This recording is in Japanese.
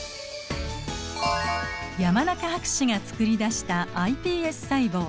山中博士がつくりだしたｉＰＳ細胞。